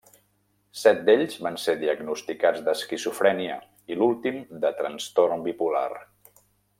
Set d'ells van ser diagnosticats d'esquizofrènia, i l'últim de trastorn bipolar.